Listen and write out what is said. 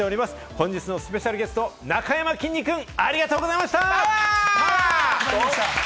本日のスペシャルゲスト、なかやまきんに君ありがとパワー！